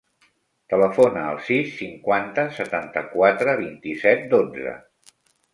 Telefona al sis, cinquanta, setanta-quatre, vint-i-set, dotze.